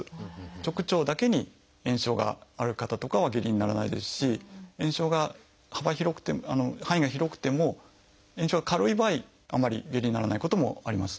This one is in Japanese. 直腸だけに炎症がある方とかは下痢にならないですし炎症が幅広くて範囲が広くても炎症が軽い場合あんまり下痢にならないこともあります。